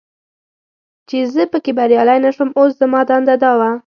چې زه پکې بریالی نه شوم، اوس زما دنده دا وه.